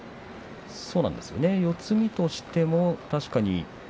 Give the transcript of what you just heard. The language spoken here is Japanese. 四つ身としても確かに。